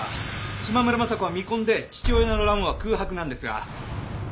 島村昌子は未婚で父親の欄は空白なんですが牛尾さん